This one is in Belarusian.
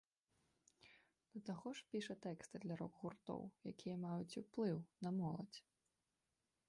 Да таго ж піша тэксты для рок-гуртоў, якія маюць уплыў на моладзь.